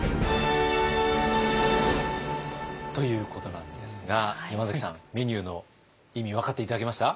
ということなんですが山崎さんメニューの意味分かって頂けました？